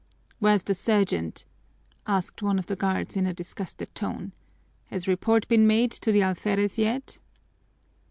"Where's the sergeant?" asked one of the guards in a disgusted tone. "Has report been made to the alferez yet?"